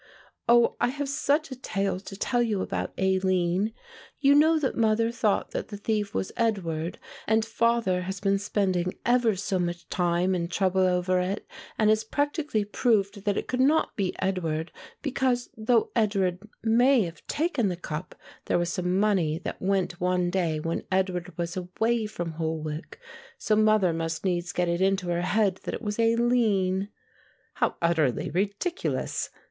"Oh, I have such a tale to tell you about Aline. You know that mother thought that the thief was Edward, and father has been spending ever so much time and trouble over it and has practically proved that it could not be Edward; because, though Edward may have taken the cup, there was some money that went one day when Edward was away from Holwick. So mother must needs get it into her head that it was Aline." "How utterly ridiculous!"